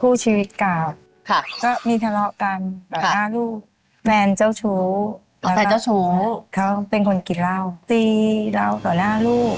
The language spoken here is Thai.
คู่ชีวิตเก่าก็มีทะเลาะกันต่อหน้าลูกแฟนเจ้าชู้แต่เจ้าชู้เขาเป็นคนกินเหล้าตีเราต่อหน้าลูก